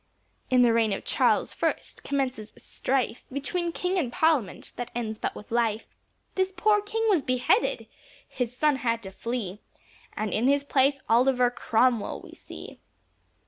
In the reign of Charles first, commences a strife Between King and Parliament, that ends but with life; This poor King was beheaded, his son had to flee, And in his place Oliver Cromwell we see.